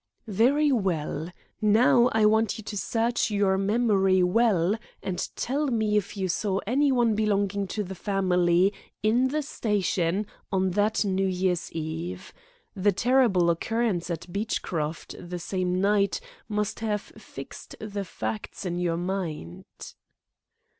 "Very well. Now I want you to search your memory well and tell me if you saw anyone belonging to the family in the station on that New Year's Eve. The terrible occurrence at Beechcroft the same night must have fixed the facts in your mind."